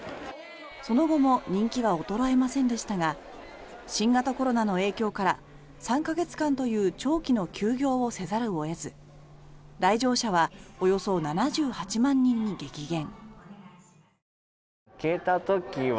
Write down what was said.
その後も人気は衰えませんでしたが新型コロナの影響から３か月間という長期の休業をせざるを得ず来場者はおよそ７８万人に激減。